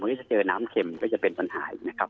วันนี้จะเจอน้ำเข็มก็จะเป็นปัญหาอีกนะครับ